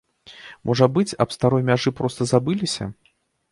Можа быць, аб старой мяжы проста забыліся?